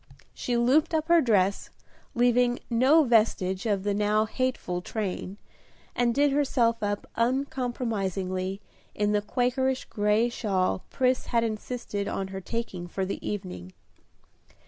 She looped up her dress, leaving no vestige of the now hateful train, and did herself up uncompromisingly in the Quakerish gray shawl Pris had insisted on her taking for the evening.